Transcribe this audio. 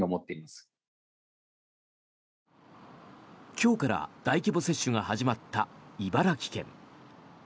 今日から大規模接種が始まった茨城県。